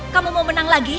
kamu mau menang lagi